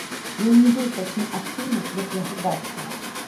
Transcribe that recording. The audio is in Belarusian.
Ён не быў такім актыўным, як яго бацька.